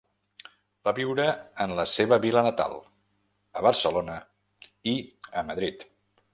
Va viure en la seva vila natal, a Barcelona i a Madrid.